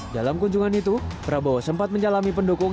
dalam kunjungan itu prabowo sempat menjalami pendukung